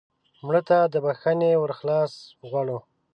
مړه ته د بښنې ور خلاص غواړو